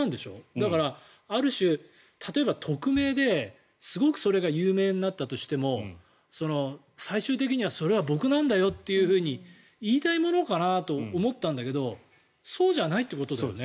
だから、ある種例えば匿名ですごくそれが有名になったとしても最終的にはそれは僕なんだよと言いたいものかなと思ったんだけどそうじゃないってことだよね。